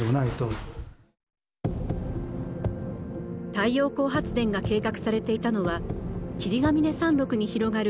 太陽光発電が計画されていたのは霧ヶ峰山麓に広がる